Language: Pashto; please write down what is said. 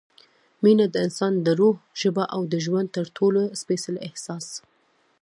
مینه – د انسان د روح ژبه او د ژوند تر ټولو سپېڅلی احساس